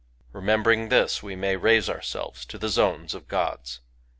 Remembering this, we may raise ourselves I to the zones of the Gods.